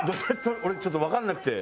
俺ちょっとわかんなくて。